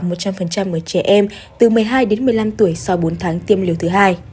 ở trẻ em từ một mươi hai đến một mươi năm tuổi sau bốn tháng tiêm liều thứ hai